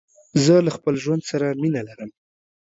زه له خپل ژوند سره مينه لرم.